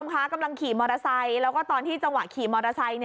คือชมค้ากำลังขี่มรสไซส์แล้วคือตอนที่จังหวะขี่มรสไซส์